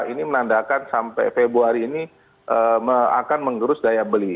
ini menandakan sampai februari ini akan menggerus daya beli